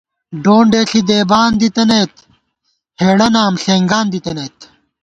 ڈونڈے ݪی دیبان دِتَنَئیت ہېڑہ نام ݪېنگان دِتَنَئیت